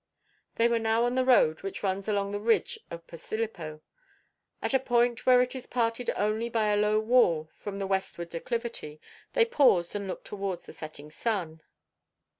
They were now on the road which runs along the ridge of Posillipo; at a point where it is parted only by a low wall from the westward declivity, they paused and looked towards the setting sun.